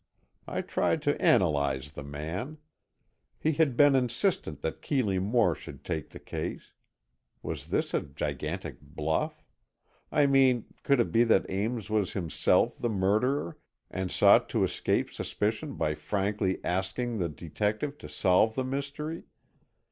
I tried to analyze the man. He had been insistent that Keeley Moore should take the case. Was this a gigantic bluff? I mean, could it be that Ames was himself the murderer, and sought to escape suspicion by frankly asking the detective to solve the mystery?